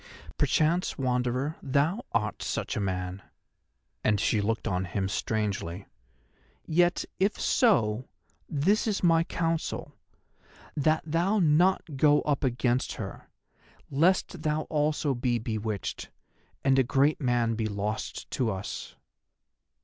Perchance, Wanderer, thou art such a man," and she looked on him strangely. "Yet if so, this is my counsel, that thou go not up against her, lest thou also be bewitched, and a great man be lost to us."